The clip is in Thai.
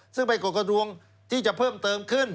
ซึ่งเป็นกฎกระทรวงที่จะเพิ่มเติมขึ้น